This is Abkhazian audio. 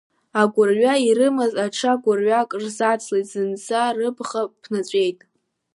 Агәырҩа ирымаз аҽа гәырҩак рзацлеит, зынӡа рыбӷа ԥнаҵәеит.